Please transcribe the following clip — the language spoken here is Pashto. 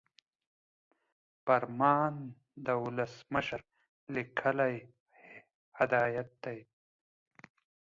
فرمان د ولسمشر لیکلی هدایت دی.